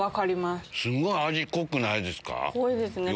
すごい味濃くないですか？